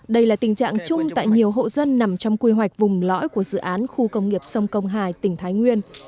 đây là tình trạng chung tại nhiều hộ dân nằm trong quy hoạch vùng lõi của dự án khu công nghiệp sông công hải tỉnh thái nguyên